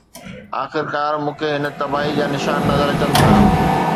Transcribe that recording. آخرڪار، مون کي هن تباهي جا نشان نظر اچن ٿا.